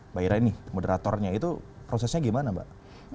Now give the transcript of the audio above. mbak ira ini moderatornya itu prosesnya gimana mbak